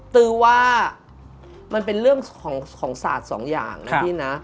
ตือว่ามันเป็นเรื่องของศาสตร์สองอย่างนะพี่นะ